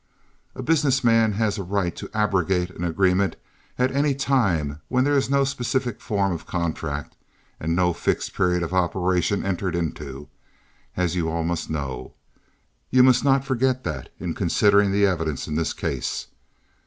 A business man has a right to abrogate an agreement at any time where there is no specific form of contract and no fixed period of operation entered into—as you all must know. You must not forget that in considering the evidence in this case.